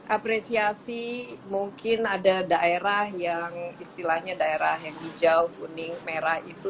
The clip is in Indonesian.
apresiasi mungkin ada daerah yang istilahnya daerah yang hijau kuning merah itu